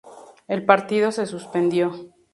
El partido se suspendió.